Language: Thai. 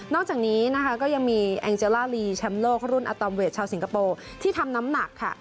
จากนี้นะคะก็ยังมีแองเจล่าลีแชมป์โลกรุ่นอัตอมเวทชาวสิงคโปร์ที่ทำน้ำหนักค่ะ